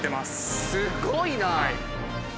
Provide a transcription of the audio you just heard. すごいな！